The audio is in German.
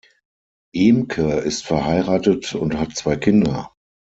Ehmke ist verheiratet und hat zwei Kinder.